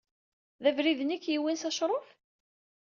D abrid-nni i k-yewwin s acṛuf?